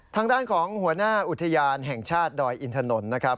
ทางด้านของหัวหน้าอุทยานแห่งชาติดอยอินถนนนะครับ